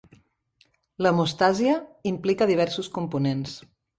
L'hemostàsia implica diversos components.